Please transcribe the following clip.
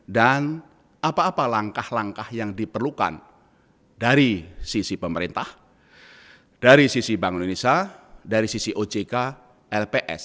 dan apa apa langkah langkah yang diperlukan dari sisi pemerintah dari sisi bank indonesia dari sisi ojk lps